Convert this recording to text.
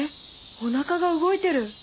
おなかが動いてる！